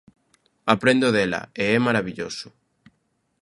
Aprendo dela e é marabilloso.